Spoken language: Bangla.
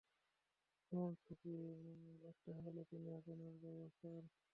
এমন চাকরি একটা হারালে তিনি আপনার বাবা, স্যার!